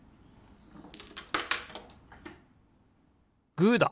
グーだ！